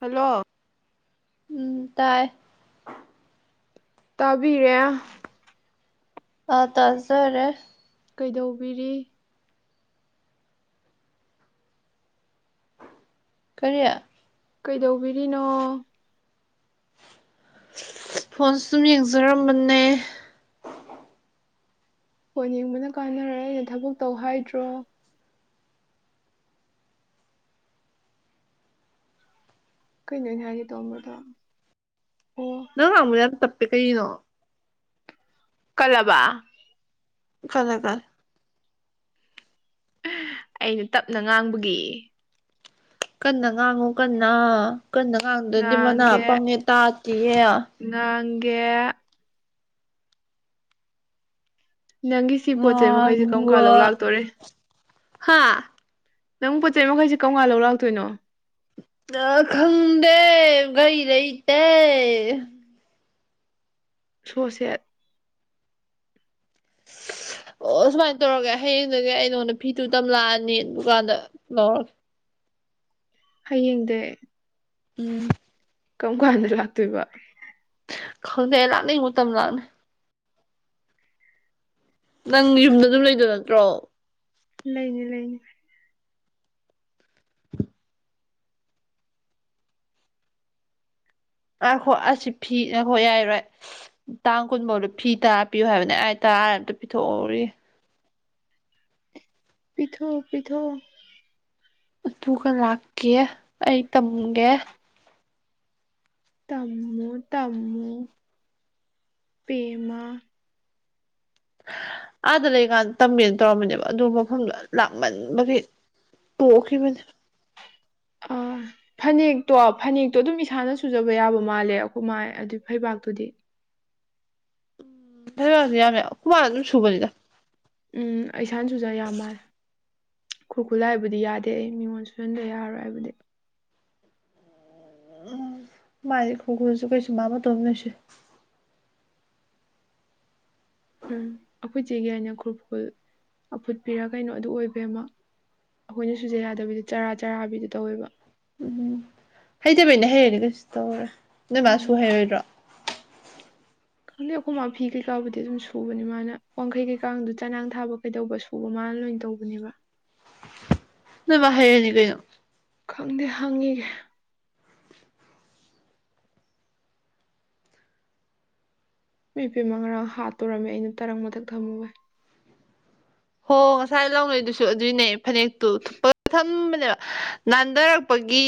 hello ꯎꯝ ꯇꯥꯏ ꯇꯥꯕꯤꯔꯦ ꯑꯥ ꯇꯥꯖꯔꯦ ꯀꯩꯗꯧꯕꯤꯔꯤ ꯀꯔꯤ ꯀꯩꯗꯧꯕꯤꯔꯤꯅꯣ ꯐꯣꯟꯁꯨꯝ ꯌꯦꯡꯖꯔꯝꯕꯅꯦ ꯐꯣꯟ ꯌꯦꯡꯕꯅ ꯀꯥꯟꯅꯔꯣꯏ ꯑꯩꯅ ꯊꯕꯛ ꯇꯧ ꯍꯥꯏꯗ꯭ꯔꯣ ꯀꯩꯅꯣ ꯑꯩꯅ ꯍꯥꯏꯒꯦ ꯇꯣꯔꯝꯕꯗꯣ ꯑꯣ ꯅꯪ ꯉꯥꯡꯕꯗꯣ ꯌꯥꯝ ꯇꯞꯄꯦ ꯀꯩꯒꯤꯅꯣ ꯀꯟꯂꯕꯥ ꯀꯟꯂꯦ ꯀꯟꯂꯦ ꯑꯩꯁꯨ ꯇꯞꯅ ꯉꯥꯡꯕꯒꯤ ꯀꯟꯅ ꯉꯥꯡꯉꯨ ꯀꯟꯅ ꯀꯟꯅ ꯉꯥꯡꯗ꯭ꯔꯗꯤ ꯃꯅꯥ ꯉꯥꯡꯒꯦ ꯄꯪꯉꯦ ꯇꯥꯗꯦꯌꯦ ꯉꯥꯡꯒꯦ ꯅꯪꯒꯤ ꯁꯤ ꯄꯣꯠ ꯆꯩ ꯃꯈꯩꯁꯦ ꯀꯔꯝ ꯀꯥꯟ ꯉꯥꯡꯕ ꯂꯧ ꯂꯥꯛꯇꯣꯔꯦ ꯍꯥꯥ ꯅꯪ ꯄꯣꯠ ꯆꯩ ꯃꯈꯩꯁꯦ ꯀꯝꯀꯥꯟ ꯂꯧ ꯂꯥꯛꯇꯣꯏꯅꯣ ꯑ ꯈꯪꯗꯦ ꯒꯔꯤ ꯂꯩꯇꯦ ꯁꯣ ꯁꯦꯗ [unintelligible] ꯑꯣ ꯁꯨꯃꯥꯏꯅ ꯇꯧꯔꯒꯦ ꯍꯌꯦꯡꯗꯒꯤ ꯑꯩ ꯅꯉꯣꯟꯗ ꯐꯤꯗꯨꯨ ꯇꯝ ꯂꯥꯛꯑꯅꯤ ꯗꯨꯀꯥꯟꯗ ꯂꯧꯔꯒꯦ ꯍꯌꯦꯡꯗꯩ ꯎꯝ ꯀꯔꯝ ꯀꯥꯟꯗ ꯂꯥꯛꯇꯣꯏꯕ ꯈꯪꯗꯦ ꯑꯧ ꯂꯥꯛꯅꯤꯡ ꯃꯇꯝ ꯂꯥꯛꯅꯤ ꯅꯪ ꯌꯨꯝꯗ ꯑꯗꯨꯝ ꯂꯩꯗꯣꯏ ꯅꯠꯇ꯭ꯔꯣ ꯂꯩꯅꯤ ꯂꯩꯅꯤ ꯉꯥꯏꯈꯣ ꯑꯁꯤ ꯐꯤ ꯉꯥꯏꯈꯣ ꯌꯥꯏꯔꯣꯏ ꯇꯥꯡ ꯀꯨꯟꯐꯧꯗ ꯐꯤ ꯇꯥꯔ ꯄꯤꯌꯨ ꯍꯥꯏꯕꯅꯦ ꯑꯥꯏ ꯇꯔꯥ ꯔꯥꯏ ꯑꯝ ꯄꯤꯊꯣꯛꯍꯧꯔꯤꯒꯦ ꯄꯤꯊꯣꯛꯑꯣ ꯄꯤꯊꯣꯛꯑꯣ ꯑꯗꯨꯒ ꯂꯥꯛꯀꯦ ꯑꯩ ꯇꯝꯒꯦ ꯇꯃꯨ ꯇꯃꯨ ꯄꯦꯃꯥ ꯑꯥꯗ ꯂꯩꯀꯥꯟꯗ ꯇꯝꯃꯦꯅ ꯇꯧꯔꯝꯕꯅꯦꯕ ꯑꯗꯨ ꯃꯐꯝꯗꯨ ꯂꯥꯞꯃꯟꯕꯒꯤ ꯇꯣꯛꯈꯤꯕꯅꯦ ꯑꯥ ꯐꯅꯦꯛꯇꯣ ꯐꯅꯦꯛꯇꯣ ꯑꯗꯨꯝ ꯏꯁꯥꯅ ꯁꯨꯖꯕ ꯌꯥꯕ ꯃꯥꯜꯂꯦ ꯑꯩꯈꯣꯏ ꯃꯥ ꯑꯗꯨꯏ ꯐꯩꯕꯥꯛꯇꯨꯗꯤ [unintelligible] ꯌꯥꯝꯃꯦ ꯑꯩꯈꯣꯏ ꯃꯥꯅ ꯑꯗꯨꯝ ꯁꯨꯕꯅꯤꯗ ꯎꯝ ꯏꯁꯥꯅꯁꯨꯖ ꯌꯥ ꯃꯥꯜꯂꯦ ꯈꯨꯔꯈꯨꯜ ꯂꯥꯏꯕꯨꯗꯤ ꯌꯥꯗꯦ ꯑꯩ ꯃꯤꯉꯣꯟ ꯁꯨꯁꯟꯗ ꯌꯥꯔꯣꯏ ꯑꯥꯏꯕꯨꯗꯤ ꯎꯝ ꯈꯣꯏꯃꯥꯗꯤ ꯈꯨꯒꯨꯜꯁꯨ ꯀꯩꯁꯨ ꯃꯥ ꯃꯇꯣꯝ ꯇ ꯂꯣꯏ ꯁꯨꯏ ꯎꯝ ꯑꯩꯈꯣꯏ ꯆꯦꯒꯤ ꯂꯥꯏꯅ ꯈꯨꯔꯈꯨꯜ ꯑꯐꯨꯠꯄꯤꯔ ꯀꯩꯅꯣ ꯑꯗꯨ ꯑꯣꯏꯕ ꯑꯃ ꯑꯩꯈꯣꯏꯅ ꯁꯨꯖ ꯌꯥꯗꯕꯤꯗ ꯆꯔꯥ ꯆꯔꯥꯕꯤꯗꯨ ꯇꯧꯋꯦꯕ ꯎꯝꯝ ꯍꯩꯇꯕꯩꯅ ꯍꯩꯔꯅꯦ ꯀꯩꯁꯨ ꯇꯧꯔꯣꯏ ꯅꯣꯏ ꯃꯥ ꯁꯨ ꯎꯝ ꯍꯩꯔꯣꯏꯗ꯭ꯔꯣ ꯈꯪꯗꯦ ꯑꯩꯈꯣꯏ ꯃꯥ ꯐꯤ ꯀꯩꯀꯥꯕꯨꯗꯤ ꯑꯗꯨꯝ ꯁꯨꯕꯅꯤ ꯃꯥꯅ ꯋꯥꯡꯈꯩ ꯀꯩꯀꯥꯗꯨ ꯆꯅꯥꯡ ꯊꯥꯕ ꯀꯩꯗꯧꯕ ꯁꯨꯕ ꯃꯥꯅ ꯂꯣꯏꯅ ꯇꯧꯕꯅꯦꯕ ꯅꯣꯏ ꯃꯥ ꯍꯩꯔꯅꯤ ꯀꯩꯅꯣ ꯈꯪꯗꯦ ꯍꯪꯉꯤꯒꯦ ꯏꯃꯥꯏ ꯄꯦꯃꯥ ꯉꯔꯥꯡ ꯍꯥꯠꯇꯣꯔꯝꯃꯦ ꯑꯩꯅ ꯇꯔꯪ ꯃꯊꯛ ꯊꯝꯃꯨꯕꯩ ꯍꯣ ꯉꯁꯥꯏ ꯂꯥꯎꯅꯩꯗꯨꯁꯨ ꯑꯗꯨꯅꯦ ꯐꯅꯦꯛꯇꯨ ꯊꯨꯞꯄꯒ ꯊꯝꯕꯅꯦꯕ ꯅꯥꯟꯗꯔꯛꯄꯒꯤ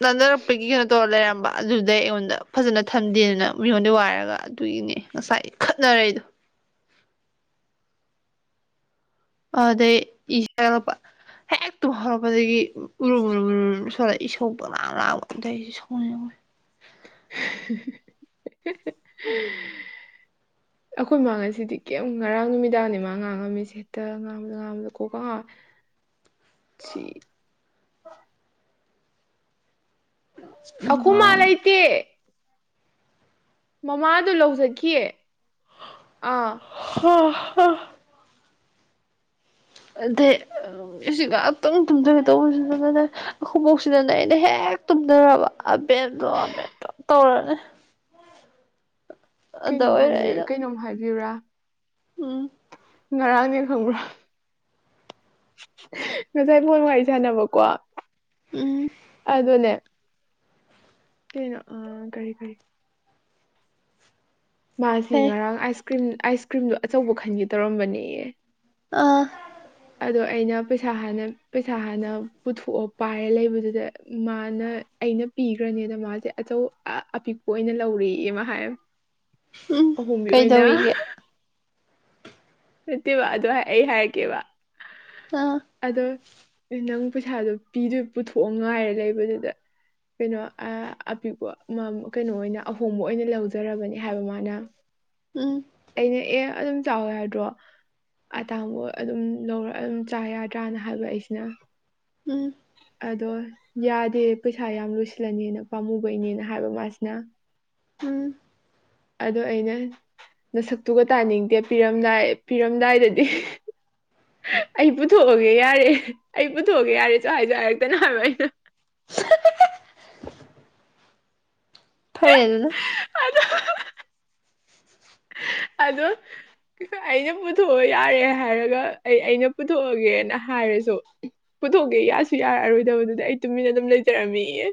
ꯅꯥꯟꯗꯔꯛꯄꯒꯤ ꯀꯩꯅꯣ ꯇꯧ ꯂꯩꯔꯝ ꯝꯕ ꯑꯗꯨꯗꯩ ꯑꯩꯉꯣꯟꯗ ꯐꯖꯅ ꯊꯝꯗꯦꯗꯅ ꯃꯤꯉꯣꯟꯗ ꯋꯥꯏꯔꯒ ꯑꯗꯨꯒꯤꯅꯦ ꯉꯁꯥꯏ ꯈꯠꯅꯔꯛꯏꯗꯣ ꯑꯗꯩ ꯏꯁꯦ ꯍꯥꯏꯒꯠꯂꯛꯄꯥ ꯍꯦꯛꯇꯨꯝ ꯍꯧꯔꯛꯄꯗꯒꯤ ꯎꯔꯨꯝ ꯎꯔꯨꯝ ꯁꯣꯟꯔ ꯏꯁꯧ ꯄꯪꯂꯥꯡ ꯂꯥꯡꯕ ꯁꯥꯎꯅꯤꯡꯕꯩ [unintelligible] [inaudible] ꯑꯩꯈꯣꯏ ꯃꯥꯥ ꯉꯁꯤꯗꯤ ꯀꯩꯝ ꯉꯔꯥꯡ ꯅꯨꯃꯤꯗꯥꯡꯅꯤ ꯃꯥ ꯉꯥꯡꯉꯝꯃꯤꯁ ꯍꯦꯛꯇ ꯉꯥꯡꯕꯗ ꯉꯥꯡꯕꯗ ꯀꯣꯛꯀ ꯉꯥꯎꯏ [inaudible] ꯁꯤ ꯅꯪ ꯑꯩꯈꯨꯝ ꯃꯥꯥ ꯉꯔꯥꯡꯗꯣ ꯂꯩꯇꯦ ꯃꯃꯥꯗꯣ ꯂꯧ ꯆꯠꯈꯤꯌꯦ ꯑꯥ ꯍꯥ ꯍꯥ ꯑꯗꯩ ꯑꯁꯤꯁꯤ ꯉꯥꯛꯇꯪ ꯇꯨꯝꯖꯒꯦ ꯇꯧꯕꯁꯤꯗꯅꯅꯦ ꯑꯩꯈꯪꯏ ꯕꯣꯛꯁꯤꯅꯅꯦ ꯑꯩꯅ ꯍꯦꯛ ꯇꯨꯝꯅꯔꯕ ꯑꯕꯦꯟꯗꯣ ꯑꯕꯦꯟꯇꯣ ꯇꯧꯔꯅꯤ ꯑꯗ ꯀꯩꯅꯣꯝ ꯑꯣꯏꯔꯦ ꯍꯪꯕꯤ ꯑꯩꯅ ꯀꯩꯅꯣꯝ ꯍꯥꯏꯕꯤꯌꯨꯨꯔꯥ ꯎꯝ ꯉꯔꯥꯡꯅꯦ ꯈꯪꯕ꯭ꯔꯥ ꯉꯁꯥꯏ ꯐꯣꯟ ꯋꯥꯔꯤ ꯁꯥꯟꯅꯕꯀꯣ ꯎꯝ ꯑꯗꯨꯅꯦ ꯀꯩꯅꯣ ꯑ ꯀꯔꯤ ꯀꯔꯤ ꯃꯥꯁꯤ ꯐꯩ ꯉꯔꯥꯡ ꯑꯥꯏꯁ ꯀ꯭ꯔꯤꯝ ꯑꯥꯏꯁ ꯀ꯭ꯔꯤꯝꯗꯣ ꯑꯆꯧꯕ ꯈꯟꯒꯦ ꯇꯧꯔꯝꯕꯅꯦꯌꯦ ꯑꯥ ꯑꯗꯣ ꯑꯩꯅ ꯄꯩꯁꯥ ꯍꯥꯟꯅ ꯄꯩꯁꯥ ꯍꯥꯟꯅ ꯄꯨꯊꯣꯛꯑ ꯄꯥꯏꯔ ꯂꯩꯕꯗꯨꯗ ꯃꯥꯅ ꯑꯩꯅ ꯄꯤꯈ꯭ꯔꯅꯤꯅ ꯃꯥꯁꯦ ꯑꯆꯧ ꯑꯄꯤꯛꯄ ꯑꯣꯏꯅ ꯂꯧꯔꯌꯦ ꯃꯥ ꯍꯥꯏꯝ ꯎꯝ ꯑꯍꯣꯡꯕꯤ ꯑꯣꯏꯅ ꯀꯩꯗꯧꯔꯤꯒꯦ ꯅꯠꯇꯦꯕ ꯑꯗꯣ ꯑꯩ ꯍꯥꯏꯔꯛꯀꯦꯕ ꯑꯥ ꯑꯗꯣ ꯅꯪ ꯄꯩꯁꯥꯗꯣ ꯄꯤꯗꯣꯏ ꯄꯨꯊꯣꯛꯑ ꯉꯥꯏꯔ ꯂꯩꯕꯗꯨꯗ ꯀꯩꯅꯣ ꯑ ꯑꯄꯤꯛꯄ ꯀꯩꯅꯣ ꯑꯣꯏꯅ ꯑꯍꯣꯡꯕ ꯑꯣꯏꯅ ꯂꯧꯖꯔꯕꯅꯤ ꯍꯥꯏꯕ ꯃꯥꯅ ꯎꯝ ꯑꯩꯅ ꯑꯦ ꯑꯗꯨꯝ ꯆꯥꯎ ꯌꯥꯗ꯭ꯔꯣ ꯑꯇꯥꯡꯕ ꯑꯣꯏ ꯑꯗꯨꯝ ꯂꯧꯔ ꯑꯗꯨꯝ ꯆꯥ ꯌꯥꯗ꯭ꯔꯥꯅ ꯍꯥꯏꯕ ꯑꯩꯁꯤꯅ ꯎꯝ ꯑꯗꯣ ꯌꯥꯗꯦ ꯄꯩꯁꯥ ꯌꯥꯝ ꯂꯣꯏꯁꯤꯜꯂꯅꯤꯅ ꯄꯥꯝꯃꯨꯕꯩꯅꯦꯅ ꯍꯥꯏꯕ ꯃꯥꯁꯤꯅ ꯎꯝ ꯑꯗꯣ ꯑꯩꯅ ꯅꯁꯛꯇꯨꯒ ꯇꯥꯅꯤꯡꯗꯦ ꯄꯤꯔꯝꯗꯥꯏ ꯄꯤꯔꯝꯗꯥꯏꯗꯗꯤ ꯑꯩ ꯄꯨꯊꯣꯛꯑꯒꯦ ꯌꯥꯔꯦ ꯑꯩ ꯄꯨꯊꯣꯛꯑꯒꯦ ꯌꯥꯔꯦꯁꯨ ꯍꯥꯏꯁꯨ ꯍꯥꯏꯔꯛꯇꯅ ꯍꯥꯏꯕ ꯑꯩꯅ ꯐꯩ ꯑꯗꯨꯅ [unintelligible] ꯑꯗꯣ ꯑꯩꯅ ꯄꯨꯊꯣꯛꯑꯣ ꯌꯥꯔꯦ ꯍꯥꯏꯔꯒ ꯑꯩ ꯑꯩꯅ ꯄꯨꯊꯣꯛꯑꯒꯦꯅ ꯍꯥꯏꯔꯁꯨ ꯄꯨꯊꯣꯛꯀꯦ ꯌꯥꯁꯨ ꯌꯥꯔꯛꯑꯔꯣꯏꯗꯕꯗꯨꯗ ꯑꯩ ꯇꯨꯃꯤꯟꯅ ꯑꯗꯨꯝ ꯂꯩꯖꯔꯝꯃꯤꯑ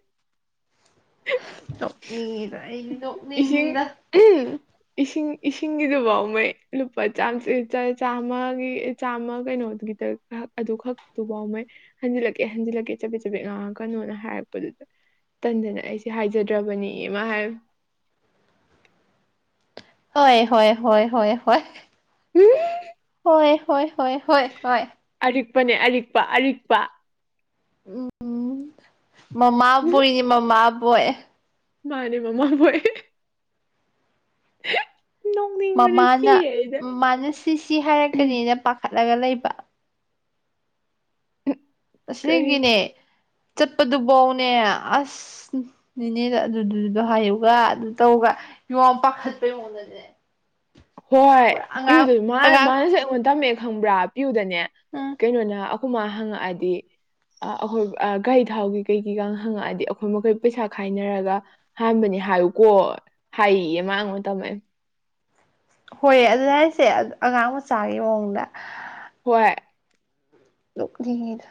ꯅꯣꯛꯅꯤꯡꯉꯦꯗ ꯑꯩꯗꯤ ꯏꯁꯤꯡ ꯅꯣꯛꯅꯤꯡꯉꯤꯗ [unintelligible] ꯏꯁꯤꯡ ꯏꯁꯤꯡꯒꯤꯗꯨ ꯐꯥꯎ ꯃꯩ ꯂꯨꯄꯥ ꯆꯥꯝꯃꯒꯤ ꯆꯥꯝꯃ ꯀꯩꯅꯣꯒꯤꯇ ꯍꯥꯛ ꯑꯗꯨ ꯈꯛꯇꯨꯐꯥꯎ ꯃꯩ ꯍꯟꯖꯤꯜꯂꯛꯀꯦ ꯍꯟꯖꯤꯜꯂꯛꯀꯦ ꯆꯄꯦꯠ ꯆꯕꯦꯠ ꯉꯥꯡꯉꯥꯛꯀꯅꯣꯅ ꯍꯥꯏꯔꯛꯄꯗꯨꯗ ꯇꯟꯗꯅ ꯑꯩꯁꯦ ꯍꯥꯏꯖꯗ꯭ꯔꯕꯅꯤꯌꯦ ꯃꯥꯅ ꯍꯥꯏꯔꯤꯝ ꯍꯣꯏ ꯍꯣꯏ ꯍꯣꯏ ꯍꯣꯏ ꯍꯣꯏ ꯍꯣꯏ ꯍꯣꯏ ꯍꯣꯏ ꯍꯣꯏ ꯍꯣꯏ ꯑꯔꯤꯛꯄꯅꯦ ꯑꯔꯤꯛꯄ ꯑꯔꯤꯛꯄ ꯎꯝ ꯃꯃꯥꯕꯣꯏꯅꯤ ꯃꯃꯥꯕꯣꯏ ꯃꯥꯅꯦ ꯃꯥꯃꯥꯕꯣꯏ [unintelligible] ꯅꯣꯡꯅꯤꯡꯕꯅ ꯃꯃꯥꯅ ꯁꯤꯔꯦ ꯑꯩꯗ ꯃꯥꯃꯥꯅ ꯁꯤ ꯁꯤ ꯍꯥꯏꯔꯛꯀꯅꯤꯅ ꯄꯥꯈꯠꯂꯒ ꯂꯩꯕ ꯀꯔꯤ ꯑꯁꯦꯡꯒꯤꯅꯦ ꯆꯠꯄꯗꯨꯚꯧꯅꯦ ꯑꯁ ꯍꯝ ꯅꯤꯅꯦꯗ ꯑꯗꯨꯗꯨꯗꯣ ꯍꯥꯏꯌꯨꯒ ꯑꯗꯨ ꯇꯧꯒ ꯌꯣꯡ ꯄꯥꯈꯠꯄꯩ ꯃꯑꯣꯡꯗ [unintelligible] ꯍꯣꯏ ꯄꯤꯌꯨꯗ ꯃꯥꯅ ꯑꯉꯥꯡ ꯃꯥꯅꯁꯨ ꯑꯩꯉꯣꯟꯗ ꯇꯝꯃꯛꯑꯦ ꯈꯪꯕ꯭ꯔꯥ ꯄ꯭ꯌꯨꯗꯅꯦ ꯎꯝ ꯀꯩꯅꯣꯅ ꯑꯩꯈꯣꯏ ꯃꯥ ꯍꯪꯉꯛꯑꯗꯤ ꯑ ꯑꯩꯈꯣꯏ ꯑ ꯒꯥꯥꯔꯤ ꯊꯥꯎꯒꯤ ꯀꯩ ꯀꯩꯒꯤꯒ ꯍꯪꯉꯛꯑꯗꯤ ꯑꯩꯈꯣꯏ ꯃꯈꯩ ꯄꯩꯁꯥ ꯈꯥꯏꯅꯔꯒ ꯍꯥꯟꯕꯅꯤ ꯍꯥꯏꯌꯨꯀꯣ ꯍꯥꯏꯌꯦ ꯃꯥꯅ ꯑꯩꯉꯣꯟꯗ ꯇꯝꯃꯛꯏꯝ ꯍꯣꯏ ꯑꯗꯨꯅꯦ ꯍꯥꯏꯁꯦ ꯑꯉꯥꯡ ꯃꯆꯥꯒꯤ ꯃꯑꯣꯡꯗ ꯍꯣꯏ ꯅꯣꯛꯅꯤꯡꯉꯤꯗ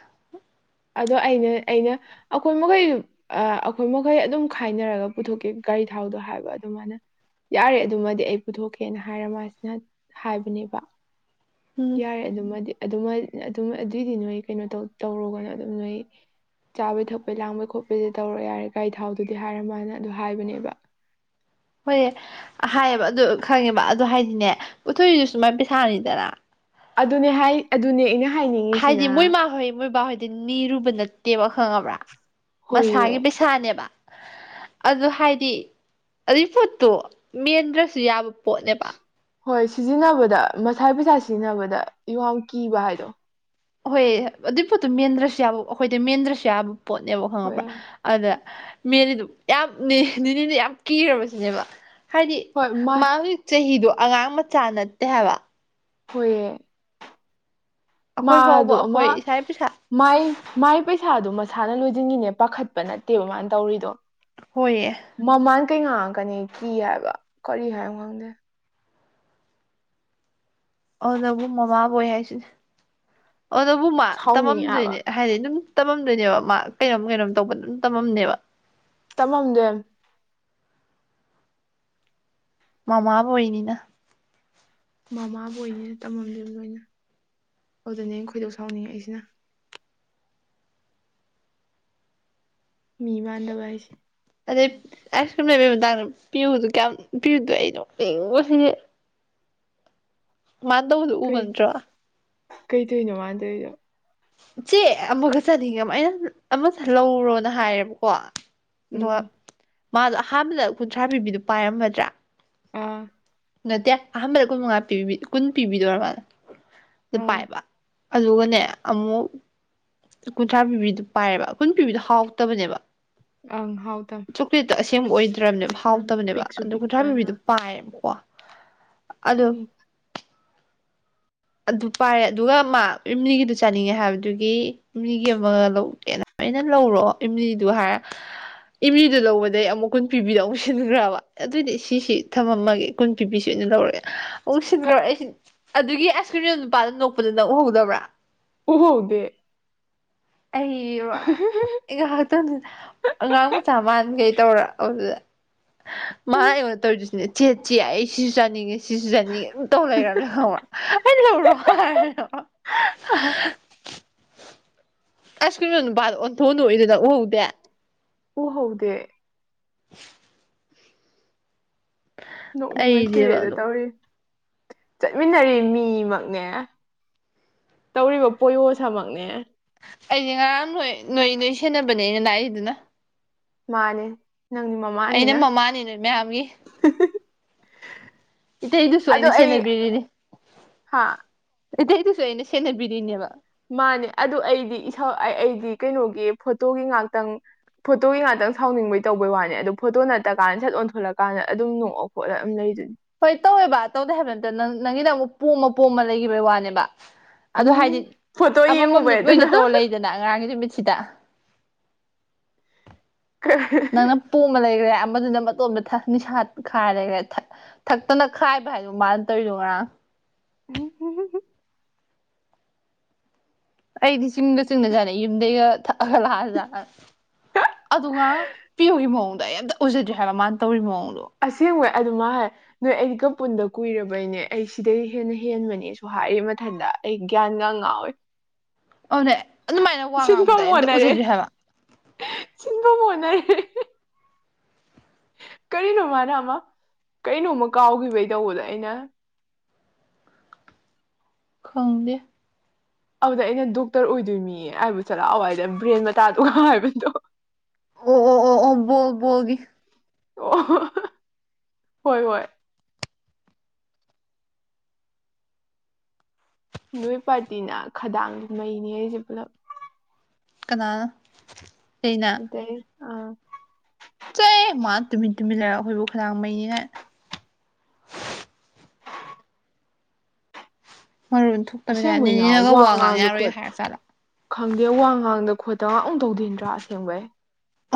ꯑꯗꯣ ꯑꯩꯅ ꯑꯩꯅ ꯑꯩꯈꯣꯏ ꯃꯈꯩꯖꯨ ꯑ ꯑꯩꯈꯣꯏ ꯃꯈꯩ ꯑꯗꯨꯝ ꯈꯥꯏꯅꯔꯒ ꯄꯨꯊꯣꯛꯀꯦ ꯒꯥꯔꯤ ꯊꯥꯎꯗꯣ ꯍꯥꯏꯕ ꯑꯗꯨ ꯃꯥꯅ ꯌꯥꯔꯦ ꯑꯗꯨꯃꯗꯤ ꯑꯩ ꯄꯨꯊꯣꯛꯀꯦꯅ ꯍꯥꯏꯔ ꯃꯥꯁꯤꯅ ꯍꯥꯏꯕꯅꯦꯕ ꯎꯝ ꯌꯥꯔꯦ ꯑꯗꯨꯃꯗꯤ ꯑꯗꯨꯃ ꯑꯗꯨꯝ ꯑꯗꯨꯏꯗꯤ ꯅꯣꯏ ꯀꯩꯅꯣ ꯇꯧ ꯇꯧꯔꯨꯒꯅꯣ ꯑꯗꯨꯝ ꯅꯣꯏ ꯆꯥꯕꯩ ꯊꯛꯄꯩ ꯂꯥꯡꯕꯩꯈꯣꯠꯄꯩꯗꯤ ꯇꯧꯔꯣ ꯌꯥꯔꯦ ꯒꯥꯥꯏ ꯊꯥꯎꯗꯨꯗꯤ ꯍꯥꯏꯔ ꯃꯥꯅ ꯑꯗꯨ ꯍꯥꯏꯕꯅꯦꯕ ꯍꯣꯏꯌꯦ ꯍꯥꯏꯌꯦꯕ ꯑꯗꯨ ꯈꯪꯉꯦꯕ ꯑꯗꯨ ꯍꯥꯏꯗꯤꯅꯦ ꯄꯨꯊꯣꯛꯏꯗꯨꯁꯨ ꯃꯥꯏ ꯄꯩꯁꯥꯅꯤꯗꯅ ꯑꯗꯨꯅꯦ ꯍꯥꯏ ꯑꯗꯨꯅꯦ ꯑꯩꯅ ꯍꯥꯏꯗꯤ ꯍꯥꯏꯅꯤꯡꯉꯤꯁꯤꯅ ꯃꯣꯏ ꯃꯥꯍꯣꯏ ꯃꯣꯏꯕꯥꯍꯣꯏꯗꯤ ꯅꯤꯔꯨꯕ ꯅꯠꯇꯦꯕ ꯈꯪꯉꯕ꯭ꯔꯥ ꯍꯣꯏꯌꯦ ꯃꯁꯥꯒꯤ ꯄꯩꯁꯥ ꯁꯥꯅꯦꯕ ꯑꯗꯨ ꯍꯥꯏꯗꯤ ꯑꯗꯨꯏ ꯄꯣꯠꯇꯣ ꯃꯦꯟꯗ꯭ꯔꯁꯨ ꯌꯥꯕ ꯄꯣꯠꯅꯦꯕ ꯍꯣꯏ ꯁꯤꯖꯤꯟꯅꯕꯗ ꯃꯁꯥꯏ ꯄꯩꯁꯥ ꯁꯤꯖꯤꯟꯅꯕꯗ ꯌꯣꯡ ꯀꯤꯕ ꯍꯥꯏꯗꯣ ꯍꯣꯏ ꯑꯗꯨꯏ ꯄꯣꯠꯇꯣ ꯃꯦꯟꯗ꯭ꯔꯁꯨ ꯌꯥꯕ ꯑꯩꯈꯣꯏꯗ ꯃꯦꯟꯗ꯭ꯔꯁꯨ ꯌꯥꯕ ꯄꯣꯠꯅꯦꯕ ꯍꯣꯏ ꯈꯪꯉꯕ꯭ꯔꯥ ꯑꯗ ꯃꯦꯟꯅꯤꯗꯨ ꯌꯥꯝꯅ ꯅꯤꯅꯦꯗꯤ ꯌꯥꯝ ꯀꯤꯔꯕꯁꯤꯅꯦꯕ ꯍꯥꯏꯗꯤ ꯃꯥ ꯍꯧꯖꯤꯛ ꯆꯍꯤꯗꯨ ꯑꯉꯥꯡ ꯃꯆꯥ ꯅꯠꯇꯦ ꯍꯥꯏꯕ ꯍꯣꯏꯌꯦ ꯑꯩꯈꯣꯏ ꯐꯥꯎꯕ ꯃꯥꯗꯨ ꯑꯃ ꯑꯩꯈꯣꯏ ꯏꯁꯥ ꯄꯩꯁꯥ ꯃꯥꯏ ꯃꯥꯏ ꯄꯩꯁꯥꯗꯣ ꯃꯁꯥꯅ ꯂꯣꯏꯖꯤꯟꯒꯤꯅꯦ ꯄꯥꯈꯠꯄ ꯅꯠꯇꯦꯕ ꯃꯥꯅ ꯇꯧꯔꯤꯗꯣ ꯍꯣꯏꯌꯦ ꯃꯃꯥꯅ ꯀꯩ ꯉꯥꯡꯉꯀꯅꯤ ꯀꯤ ꯍꯥꯏꯕ ꯀꯔꯤ ꯍꯥꯏꯅꯣ ꯈꯪꯗꯦ ꯑꯣꯅꯕꯨ ꯃꯃꯥꯕꯣꯏ ꯍꯥꯏꯁꯤꯅꯦ ꯑꯣꯅꯕꯨ ꯃꯥ ꯁꯥꯎꯅꯤꯡꯉꯦ ꯍꯥꯏꯕ ꯇꯝꯃꯝꯗꯣꯏꯅꯦ ꯍꯥꯏꯗꯤ ꯑꯗꯨꯝ ꯇꯝꯃꯝꯗꯣꯏꯅꯦꯕ ꯃꯥ ꯀꯩꯅꯣꯝ ꯀꯩꯅꯣꯝ ꯇꯧꯕ ꯑꯗꯨꯝ ꯇꯝꯃꯝꯅꯦꯕ ꯇꯝꯃꯝꯗꯣꯏꯝ ꯃꯃꯥꯕꯣꯏꯅꯤꯅ ꯃꯃꯥꯕꯣꯏꯅꯤꯅ ꯇꯝꯃꯝꯗꯣꯏꯝ ꯂꯣꯏꯅ ꯑꯗꯨꯗꯅꯦ ꯑꯩ ꯅ ꯈꯣꯏꯗꯧ ꯁꯥꯎꯅꯤꯡꯉꯛꯏꯁꯤꯅ ꯃꯤ ꯃꯥꯟꯗꯕ ꯍꯥꯏꯁꯦ ꯑꯗꯩ ꯑꯥꯏꯁ ꯀ꯭ꯔꯤꯝ ꯂꯩꯕꯩ ꯃꯇꯥꯡꯗ ꯄꯤꯌꯨꯗꯣ ꯀꯌꯥꯝ ꯄꯤꯌꯨꯗꯣ ꯑꯩꯩ ꯅꯣꯛꯅꯤꯡꯕꯁꯤꯗꯤ ꯃꯥ ꯇꯧꯕꯗꯨ ꯎꯕ ꯀꯩ ꯅꯠꯇ꯭ꯔꯣ ꯀꯩ ꯇꯧꯏꯅꯣ ꯃꯥꯟ ꯇꯧꯔꯤꯗꯣ ꯆꯦ ꯑꯃꯒ ꯆꯥꯅꯤꯡꯉꯦꯕ ꯑꯩꯅ ꯑꯃꯁꯦ ꯂꯧꯔꯣꯅ ꯍꯥꯏꯌꯦꯕꯀꯣ ꯑꯗꯨꯒ ꯎꯝ ꯃꯥꯗꯣ ꯑꯍꯥꯟꯕꯗ ꯀꯨꯟꯊ꯭ꯔꯥ ꯄꯤꯕꯤꯗꯨ ꯄꯥꯏꯔꯝꯃꯗ꯭ꯔꯥ ꯑꯥ ꯅꯠꯇꯦ ꯑꯍꯥꯟꯕꯗ ꯀꯨꯟ ꯃꯉꯥ ꯄꯤꯕꯤ ꯀꯨꯟ ꯄꯤꯕꯤꯗꯣ ꯑꯣꯏꯔ ꯃꯥꯟꯂꯦ ꯑꯗꯨ ꯑꯥ ꯄꯥꯏꯕ ꯑꯗꯨꯒꯅꯦ ꯑꯃꯨꯛ ꯀꯨꯟꯊ꯭ꯔꯥ ꯄꯤꯕꯤꯗꯨ ꯄꯥꯏꯌꯦꯕ ꯀꯨꯟ ꯄꯤꯕꯤꯗꯣ ꯍꯥꯎꯇꯕꯅꯦꯕ ꯑꯪ ꯍꯥꯎ ꯇꯝ ꯆꯣꯀ꯭ꯂꯦꯠꯇꯣ ꯑꯁꯦꯡꯕ ꯑꯣꯏꯗ꯭ꯔꯕꯅꯦꯕ ꯎꯝ ꯍꯥꯎꯇꯕꯅꯦꯕ ꯄꯤꯛꯁꯨ ꯑꯗꯣ ꯄꯤꯛꯄ ꯀꯨꯟꯊ꯭ꯔꯥ ꯄꯨꯕꯤꯗꯣ ꯄꯥꯏꯔꯦꯕꯀꯣ ꯎꯝ ꯑꯗꯨ ꯄꯥꯏꯔꯦ ꯑꯗꯨꯒ ꯃꯥ ꯏꯝꯂꯤꯒꯤꯗꯨ ꯆꯥꯅꯤꯡꯉꯦ ꯍꯥꯏꯕꯗꯨꯒꯤ ꯏꯝꯂꯤꯒꯤ ꯑꯃꯒ ꯂꯧꯒꯦꯅ ꯑꯩꯅ ꯂꯧꯔꯣ ꯏꯦꯝꯂꯤꯗꯨ ꯍꯥꯏꯔ ꯏꯝꯂꯤꯗꯨ ꯂꯧꯕꯗꯒꯤ ꯑꯃꯨꯛ ꯀꯨꯟ ꯄꯤꯕꯤꯗꯣ ꯑꯃꯨꯛ ꯁꯤꯟꯈ꯭ꯔꯕ ꯑꯗꯨꯏꯗꯤ ꯁꯤꯁꯤ ꯊꯝꯃꯝꯃꯒꯦ ꯀꯨꯟ ꯄꯤꯕꯤꯁꯦ ꯑꯣꯏꯅ ꯂꯧꯔꯒꯦ ꯑꯃꯨꯛ ꯁꯤꯟꯈ꯭ꯔꯕ ꯑꯩꯁꯤ ꯑꯗꯨꯒꯤ ꯑꯥꯏꯁ ꯀ꯭ꯔꯤꯝꯗ ꯅꯨꯄꯥꯗ ꯅꯣꯛꯄꯗ ꯅꯪ ꯎꯍꯧꯗꯕ꯭ꯔꯥ ꯎꯍꯧꯗꯦ ꯑꯩꯔꯣ ꯑꯩ ꯉꯥꯏꯍꯥꯛꯇꯪ ꯑꯉꯥꯡ ꯃꯆꯥ ꯃꯥꯟꯈꯩ ꯇꯧꯔꯛꯄꯗꯨꯗ ꯃꯥ ꯑꯩꯉꯣꯟ ꯇꯧꯔꯤꯗꯨꯁꯨꯅꯦ ꯆꯦ ꯆꯦ ꯑꯩ ꯁꯤꯁꯨ ꯆꯥꯅꯤꯡꯉꯦ ꯁꯤꯁꯨ ꯆꯥꯅꯤꯡꯉꯦ ꯑꯗꯨꯝ ꯇꯧꯔ ꯂꯩꯈ꯭ꯔꯕꯥ ꯑꯩ ꯂꯧꯔꯣ [inaudible] ꯑꯥꯏꯁ ꯀ꯭ꯔꯤꯝ ꯌꯣꯟ ꯅꯨꯄꯥꯗꯣ ꯑꯣꯟꯊꯣꯛꯑ ꯅꯣꯛꯏꯗꯨ ꯅꯪ ꯎꯍꯧꯗꯦ ꯎꯍꯧꯗꯦ ꯅꯣꯛꯅꯤꯡꯕꯅ ꯑꯩꯗꯤꯕ ꯁꯤꯔꯦꯗ ꯑꯗꯨ ꯇꯧꯔꯤ ꯆꯠꯃꯤꯟꯅꯔꯤ ꯃꯤꯃꯛꯅꯦ ꯇꯧꯔꯤꯕ ꯄꯣꯌꯣꯁꯥꯃꯛꯅꯦ ꯑꯩꯁꯦ ꯉꯔꯥꯡ ꯅꯣꯏ ꯅꯣꯏ ꯅꯣꯏ ꯁꯦꯟꯅꯕꯅꯦ ꯑꯩꯅ ꯂꯥꯛꯏꯗꯨꯅ ꯃꯥꯅꯦ ꯅꯪ ꯃ ꯑꯩꯅ ꯃꯃꯥꯅꯤ ꯅꯣꯏ ꯃꯌꯥꯝꯒꯤ ꯏꯇꯩꯗꯨꯁꯨ ꯑꯗꯣ ꯑꯩꯅ ꯑꯩ ꯁꯦꯟꯅꯕꯤꯔꯤꯅꯤ ꯍꯥ ꯢꯇꯩꯗꯨꯁꯨ ꯑꯩꯅ ꯁꯦꯟꯅꯕꯤꯔꯤꯅꯦꯕ ꯃꯥꯅꯦ ꯑꯗꯨ ꯑꯩꯗꯤ ꯏꯁꯥꯎ ꯑꯩ ꯑꯩꯗꯤ ꯀꯩꯅꯣꯒꯤ ꯐꯣꯇꯣꯒꯤ ꯉꯥꯛꯇꯪ ꯐꯣꯇꯣꯒꯤ ꯉꯥꯛꯇꯪ ꯁꯥꯎꯅꯤꯡꯕꯩ ꯇꯧꯕꯩ ꯋꯥꯅꯤ ꯑꯗꯨ ꯐꯣꯇꯣ ꯅꯠꯇ ꯀꯥꯟꯗ ꯁꯠ ꯑꯣꯟꯊꯣꯔꯂꯛꯀꯥꯟꯗ ꯑꯗꯨꯝ ꯅꯣꯛꯑ ꯈꯣꯠꯂꯒ ꯑꯗꯨꯝ ꯂꯩꯗꯨꯅꯤ ꯍꯣꯏ ꯇꯧꯋꯦꯕ ꯇꯧꯗꯦ ꯍꯥꯏꯕ ꯅꯠꯇꯦ ꯅꯪ ꯅꯪꯒꯤꯅ ꯑꯃꯨꯛ ꯄꯣꯝꯃ ꯄꯣꯝꯃ ꯂꯩꯈꯤꯕꯒꯤ ꯋꯥꯅꯦꯕ ꯑꯗꯣ ꯍꯥꯏꯗꯤ ꯐꯣꯇꯣ ꯑꯃꯃꯝꯅꯤ ꯌꯦꯡꯉꯨꯕꯩ ꯂꯣꯏꯅ ꯑꯗꯨꯅ ꯇꯧꯔ ꯂꯩꯗꯅ ꯉꯔꯥꯡꯒꯤ ꯅꯨꯃꯤꯠꯁꯤꯗ ꯅꯪꯅ ꯄꯣꯝꯃ ꯂꯩꯒ꯭ꯔꯦ ꯑꯃꯗꯨꯅ ꯃꯇꯣꯝꯗ ꯅꯤꯁꯥ ꯈꯥꯏꯔ ꯂꯩꯒ꯭ꯔꯦ ꯊꯛꯇꯅ ꯈꯥꯏꯕ ꯍꯥꯏꯗꯣ ꯃꯥꯅ ꯇꯧꯔꯤꯗꯣ ꯉꯔꯥꯡ [inaudible] ꯑꯩꯗꯤ ꯆꯤꯡꯒ ꯆꯤꯡꯅꯖꯥꯠꯅꯤ ꯌꯨꯝꯗꯩꯒ ꯊꯛꯑꯒ ꯂꯥꯛꯑꯖꯥꯠꯂꯅ ꯑꯗꯨ ꯉꯔꯥꯡ ꯄꯤꯌꯨꯒꯤ ꯃꯑꯣꯡꯗꯣ ꯑꯩ ꯑꯝꯇ ꯑꯣꯏꯖꯗ꯭ꯔꯤ ꯍꯥꯏꯕ ꯃꯥꯅ ꯇꯧꯔꯤꯕ ꯃꯑꯣꯡꯗꯣ ꯑꯁꯦꯡꯕꯩ ꯑꯗꯨ ꯃꯥꯅ ꯍꯥꯏ ꯅꯣꯏ ꯑꯩꯒ ꯄꯨꯨꯟꯗ ꯀꯨꯏꯔꯕꯩꯅꯦ ꯑꯩ ꯁꯤꯗꯩ ꯍꯦꯟꯅ ꯍꯦꯟꯕꯅꯦꯁꯨ ꯍꯥꯏꯔꯤ ꯃꯊꯟꯇ ꯑꯩ ꯒ꯭ꯌꯥꯟꯒ ꯉꯥꯎꯋꯦ ꯑꯣꯅꯦ ꯑꯗꯨꯃꯥꯏꯅ ꯋꯥ ꯉꯥꯡꯕꯗꯣ ꯑꯝꯇ ꯎꯖꯗ꯭ꯔꯤ ꯍꯥꯏꯕ ꯁꯤꯟꯕꯨ ꯃꯣꯅꯩ ꯀꯔꯤꯅꯣ ꯃꯥꯅ ꯑꯃ ꯀꯔꯤꯅꯣꯃ ꯀꯥꯎꯈꯤꯕꯩ ꯇꯧꯕꯗ ꯑꯩꯅ ꯈꯪꯗꯦ ꯑꯗ ꯑꯩꯅ ꯗꯣꯛꯇꯔ ꯑꯣꯏꯗꯣꯏꯅꯤ ꯍꯥꯏꯕꯨ ꯆꯠꯂꯥꯛꯑꯣꯋꯥꯏꯗ ꯕ꯭ꯔꯦꯟ ꯃꯇꯥꯗꯨꯒ ꯍꯥꯏꯕꯗꯣ ꯑꯣ ꯑꯣ ꯑꯣ ꯑꯣꯕꯣꯕꯒꯤ [inaudible] ꯑꯣ ꯍꯣꯏ ꯍꯣꯏ ꯅꯣꯏ ꯄꯥꯔꯇꯤꯅ ꯈꯗꯥꯡꯗꯤ ꯃꯩꯅꯦꯍꯦ ꯑꯩꯁꯨ ꯄꯨꯂꯞ ꯀꯅꯥ ꯀꯩꯅ ꯑ ꯑ [inaudible] ꯆꯣꯍꯦ ꯃꯥ ꯇꯨꯃꯤꯟ ꯇꯨꯃꯤꯟ ꯂꯩꯔꯒ ꯑꯩꯈꯣꯏꯕꯨ ꯈꯗꯥꯡ ꯃꯩꯅꯦꯒ ꯃꯔꯣꯟ ꯊꯣꯛꯇꯕꯩ ꯇꯥꯢꯞꯇ ꯑꯁꯦꯡꯕꯩꯅ ꯅꯦꯅꯒ ꯋꯥ ꯉꯥꯡ ꯉꯥꯡꯗ ꯌꯥꯔꯣꯏ ꯈꯣꯠ ꯍꯥꯏꯔꯛꯆꯥꯠꯂ ꯈꯪꯗꯦ ꯋꯥ ꯉꯥꯡꯗ ꯈꯣꯠꯇ ꯑꯝ ꯇꯧꯗꯦ ꯑꯁꯦꯡꯕꯩ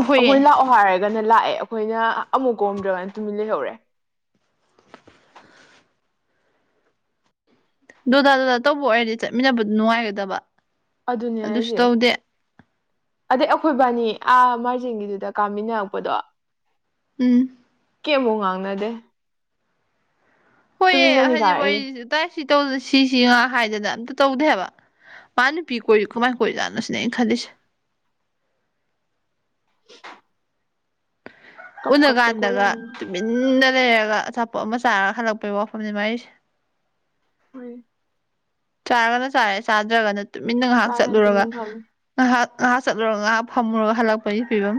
ꯍꯣꯏꯌꯦ ꯑꯩꯈꯣꯏ ꯂꯥꯛꯑꯣ ꯍꯥꯏꯔꯒ ꯒꯅ ꯂꯥꯛꯑꯦ ꯑꯩꯈꯣꯏꯅ ꯑꯃꯨꯛ ꯀꯣꯝꯗ꯭ꯔꯒꯅ ꯇꯨꯃꯤꯟ ꯂꯩꯍꯧꯔꯦ ꯗꯨꯗꯥ ꯗꯨꯗꯥ ꯇꯧꯕ ꯑꯣꯏꯔꯗꯤ ꯆꯠꯃꯤꯟꯅꯕꯗꯨ ꯅꯨꯡꯉꯥꯏꯒꯗꯕ ꯑꯗꯨꯅꯦ ꯑꯗꯨꯁꯨ ꯍꯥꯏꯁꯦ ꯇꯧꯗꯦ ꯑꯗꯩ ꯑꯩꯈꯣꯏꯕꯥꯅꯤ ꯑꯥ ꯃꯔꯖꯒꯤꯗꯨꯗ ꯀꯥꯃꯤꯟꯅꯔꯛꯄꯗꯣ ꯎꯝ ꯀꯦꯃꯨꯛ ꯉꯥꯡꯅꯗꯦ ꯍꯣꯏꯑꯦ ꯇꯨꯃꯤꯟꯅꯅꯤ ꯍꯥꯏꯗꯤꯛ ꯀꯥꯔꯛꯏꯅꯦ ꯋꯥꯔꯤꯁꯤ ꯎꯇꯥꯏ ꯁꯤ ꯇꯧꯗꯅ ꯁꯤꯁꯤ ꯉꯥꯡ ꯍꯥꯏꯗꯅ ꯑꯝꯇ ꯇꯧꯗꯦ ꯍꯥꯕ ꯃꯥ ꯅꯨꯄꯤ ꯀꯣꯏꯔꯤ ꯀꯃꯥꯏ ꯀꯣꯏꯖꯥꯠꯅ‌ꯣ ꯁꯤꯅꯦ ꯑꯩꯅ ꯈꯜꯂꯤꯁꯦ [unintelligible] ꯀꯞ ꯎꯟꯅ ꯀꯞꯇ ꯀꯥꯟꯗꯒ ꯀꯣꯏꯔꯝꯃꯤ ꯇꯨꯃꯤꯟꯅ ꯂꯩꯔꯒ ꯑꯆꯥꯄꯣꯠ ꯑꯃ ꯆꯥꯔꯒ ꯍꯜꯂꯛꯄꯒꯤ ꯋꯥꯐꯝꯅꯤ ꯃꯥꯏꯁꯦ ꯍ‌ꯣꯏ ꯆꯥꯔꯒꯅ ꯆꯥꯔꯦ ꯆꯥꯗ꯭ꯔꯒꯅ ꯇꯨꯃꯤꯟꯅ ꯉꯥꯏꯍꯥꯛ ꯆꯥꯔꯅ ꯆꯠꯂꯨꯔꯒ ꯇꯨꯃꯤꯟ ꯐꯝꯃꯤ ꯉꯥꯏꯍꯥꯛ ꯉꯥꯏꯍꯥꯛ ꯆꯠꯂꯨꯔꯒ ꯉꯥꯏꯍꯥꯛ ꯐꯝꯃꯨꯔꯒ ꯍꯜꯂꯛꯄꯩ ꯐꯤꯕꯝ